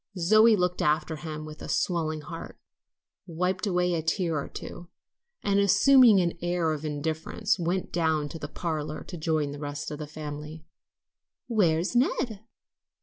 Zoe looked after him with a swelling heart, wiped away a tear or two, and assuming an air of indifference, went down to the parlor to join the rest of the family. "Where's Ned?"